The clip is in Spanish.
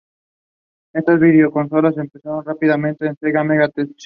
Esta videoconsola reemplazó rápidamente a la Sega Mega-Tech.